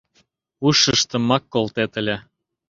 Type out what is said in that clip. Ушыштымак колтет ыле.